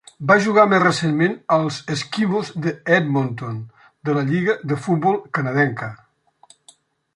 Va jugar més recentment als Eskimos d'Edmonton, de la lliga de futbol canadenca.